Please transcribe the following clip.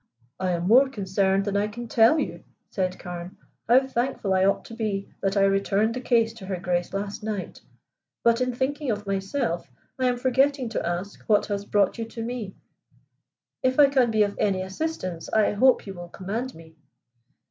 "I am more concerned than I can tell you," said Carne. "How thankful I ought to be that I returned the case to Her Grace last night. But in thinking of myself I am forgetting to ask what has brought you to me. If I can be of any assistance I hope you will command me."